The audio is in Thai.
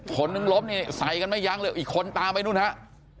คนนึงล้มนี่ใส่กันไม่ยั้งเลยอีกคนตามไปนู่นฮะ